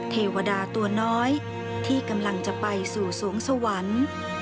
เทวดาตัวน้อยที่กำลังจะไปสู่สวงสวรรค์